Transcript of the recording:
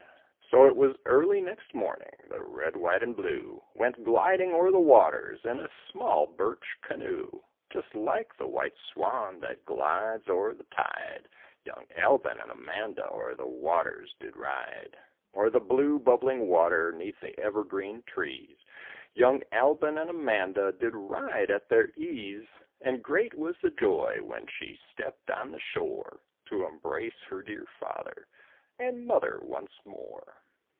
So it was early next morning The red, white, and blue Went gliding o'er the waters In a small birch canoe; Just like the white swan That glides o'er the tide, Young Albon and Amanda O'er the waters did ride. O'er the blue, bubbling water, Neath the evergreen trees, Young Albon and Amanda Did ride at their ease; And great was the joy When she stepped on the shore To embrace her dear father And mother once more.